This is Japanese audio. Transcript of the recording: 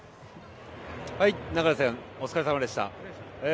流さんお疲れさまでした。